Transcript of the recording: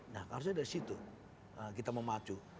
nah harusnya dari situ kita memacu